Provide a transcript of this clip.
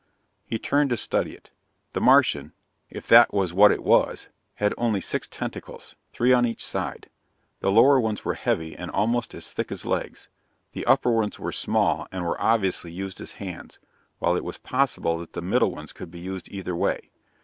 He turned to study it. The Martian, if that was what it was, had only six tentacles, three on each side. The lower ones were heavy and almost as thick as legs. The upper ones were small and were obviously used as hands, while it was possible that the middle ones could be used either way.